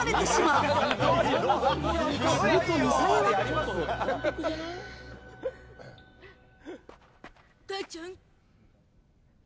母ちゃん？